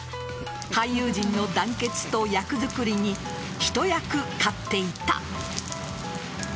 俳優陣の団結と役づくりに一役買っていた。